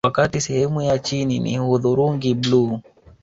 Wakati sehemu ya chini ni hudhurungi bluu